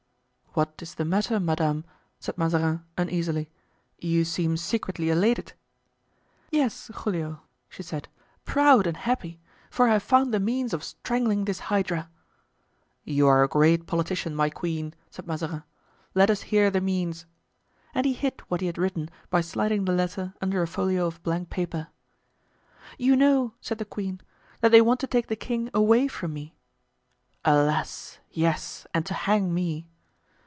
"What is the matter, madame?" said Mazarin, uneasily. "You seem secretly elated." "Yes, Giulio," she said, "proud and happy; for I have found the means of strangling this hydra." "You are a great politician, my queen," said Mazarin; "let us hear the means." And he hid what he had written by sliding the letter under a folio of blank paper. "You know," said the queen, "that they want to take the king away from me?" "Alas! yes, and to hang me."